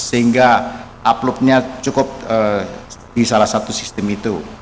sehingga uploadnya cukup di salah satu sistemnya